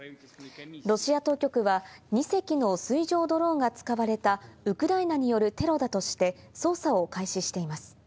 ロシア当局は２隻の水上ドローンが使われたウクライナによるテロだとして捜査を開始しています。